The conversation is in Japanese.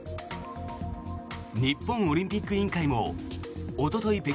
日本オリンピック委員会もおととい